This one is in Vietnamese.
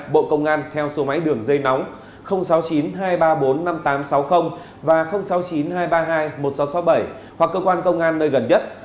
bộ công an theo số máy đường dây nóng sáu mươi chín hai trăm ba mươi bốn năm nghìn tám trăm sáu mươi và sáu mươi chín hai trăm ba mươi hai một nghìn sáu trăm sáu mươi bảy hoặc cơ quan công an nơi gần nhất